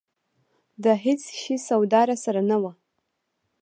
د هېڅ شي سودا راسره نه وه.